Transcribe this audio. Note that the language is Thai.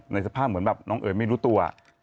สภาพเหมือนแบบน้องเอ๋ยไม่รู้ตัว